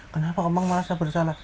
kenapa omang merasa bersalah